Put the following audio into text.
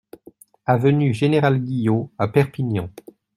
Avenue Général Guillaut à Perpignan